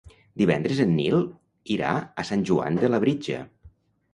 Divendres en Nil irà a Sant Joan de Labritja.